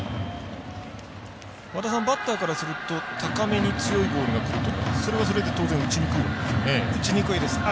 バッターからすると高めに強いボールがくるというのはそれはそれで当然打ちにくいわけですよね。